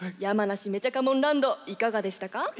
山梨めちゃかもんランドいかがでしたか？